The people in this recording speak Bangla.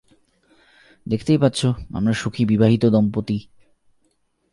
দেখতেই পাচ্ছো, আমরা সুখী বিবাহিত দম্পতি।